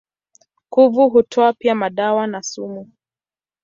Kuvu hutoa pia madawa na sumu.